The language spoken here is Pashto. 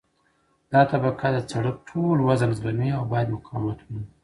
دا طبقه د سرک ټول وزن زغمي او باید مقاومت ولري